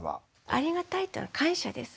ありがたいっていうのは感謝です。